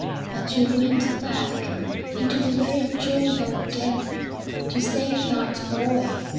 "But you went back into the very jaws of death to save that boy."